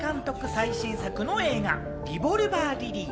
最新作の映画『リボルバー・リリー』。